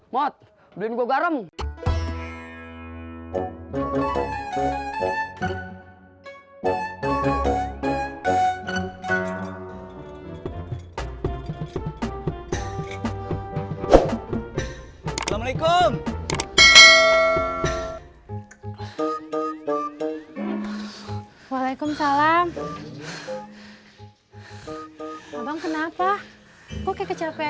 mot beliin gue garam